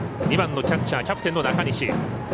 ２番のキャッチャーキャプテンの中西。